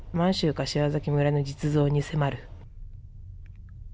柏崎村の実像に迫る。